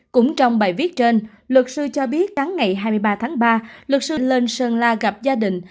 cũng trong bài viết trên luật sư cho biết sáng ngày hai mươi ba tháng ba luật sư lên sơn la gặp gia đình